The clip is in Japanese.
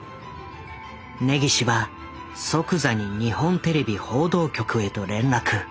根岸は即座に日本テレビ報道局へと連絡。